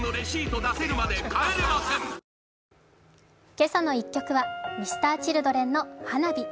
「けさの１曲」はＭｒ．Ｃｈｉｌｄｒｅｎの「ＨＡＮＡＢＩ」。